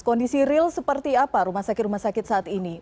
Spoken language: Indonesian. kondisi real seperti apa rumah sakit rumah sakit saat ini